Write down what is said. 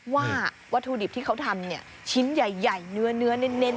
วัตถุดิบที่เขาทำชิ้นใหญ่เนื้อเน้น